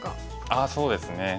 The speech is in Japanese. あっそうですね。